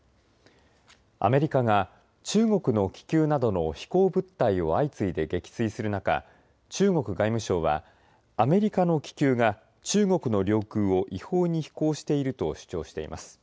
アメリカが中国の気球などの飛行物体を相次いで撃墜する中中国外務省はアメリカの気球が中国の領空を違法に航空していると主張しています。